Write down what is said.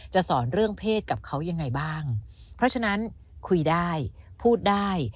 สอนเรื่องเพศกับเขายังไงบ้างเพราะฉะนั้นคุยได้พูดได้